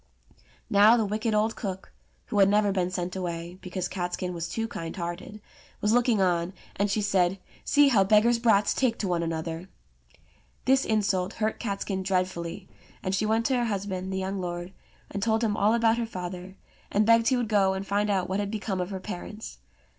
Now the wicked old cook (who had never been sent away, because Catskin was too kind hearted) was looking on, and she said, "See how beggars* brats take to one another !" This insult hurt Catskin dreadfully : and she went to her husband, the young lord, and told him all about her CATSKIN 171 father, and begged he would go and find out what had be come of her parents.